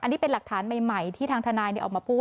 อันนี้เป็นหลักฐานใหม่ที่ทางทนายออกมาพูด